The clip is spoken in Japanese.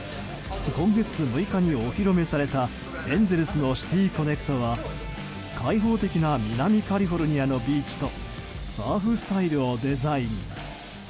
今月６日、お披露目されたエンゼルスのシティ・コネクトは開放的な南カリフォルニアのビーチとサーフスタイルをデザイン。